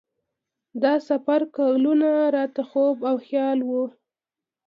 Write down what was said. دا سفر کلونه راته خوب او خیال و.